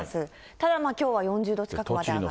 ただまあ、きょうは４０度近くまで上がって。